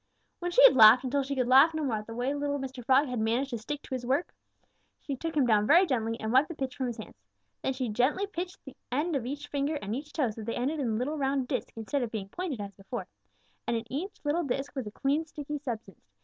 When she had laughed until she could laugh no more at the way little Mr. Frog had managed to stick to his work, she took him down very gently and wiped the pitch from his hands. Then she gently pinched the end of each finger and each toe so that they ended in little round discs instead of being pointed as before, and in each little disc was a clean, sticky substance.